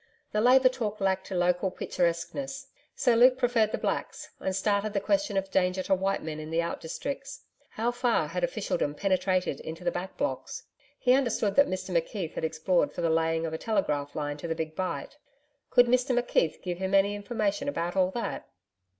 The Labour talk lacked local picturesqueness. Sir Luke preferred the Blacks, and started the question of danger to white men in the out districts. How far had officialdom penetrated into the back blocks? He understood that Mr McKeith had explored for the laying of a telegraph line to the Big Bight. Could Mr McKeith give him any information about all that?